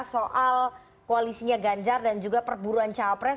soal koalisinya ganjar dan juga perburuan cawapres